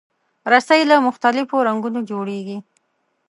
رسۍ له مختلفو رنګونو جوړېږي.